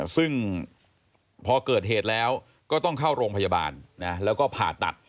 ซึ่งพอเกิดเหตุแล้วก็ต้องเข้าโรงพยาบาลแล้วก็ผ่าตัด